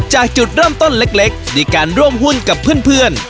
จุดเริ่มต้นเล็กในการร่วมหุ้นกับเพื่อน